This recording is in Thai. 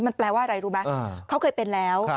มันแปลว่าอะไรรู้ไหมเขาเคยเป็นแล้ว